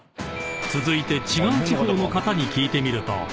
［続いて違う地方の方に聞いてみると］